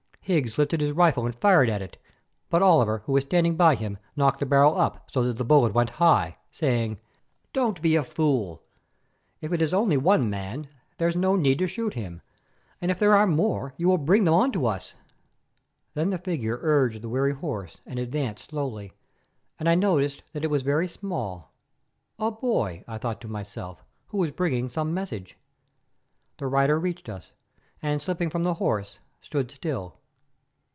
Higgs lifted his rifle and fired at it, but Oliver, who was standing by him, knocked the barrel up so that the bullet went high, saying: "Don't be a fool. If it is only one man there's no need to shoot him, and if there are more you will bring them on to us." Then the figure urged the weary horse and advanced slowly, and I noticed that it was very small. "A boy," I thought to myself, "who is bringing some message." The rider reached us, and slipping from the horse, stood still.